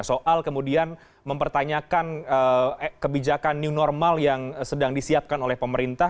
soal kemudian mempertanyakan kebijakan new normal yang sedang disiapkan oleh pemerintah